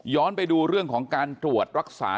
ไปดูเรื่องของการตรวจรักษา